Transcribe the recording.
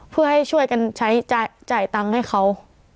เพื่อให้ช่วยกันใช้จ่ายตังค์ให้เขา